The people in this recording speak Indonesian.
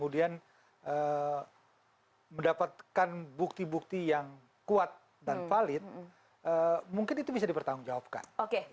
dan mendapatkan bukti bukti yang kuat dan valid mungkin itu bisa dipertanggungjawabkan